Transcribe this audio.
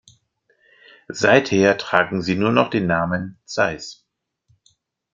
Seither tragen sie nur noch den Namen Zeiss.